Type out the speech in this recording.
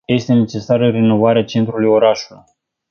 Este necesară renovarea centrului orașului.